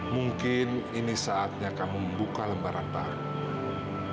mungkin ini saatnya kamu membuka lembaran baru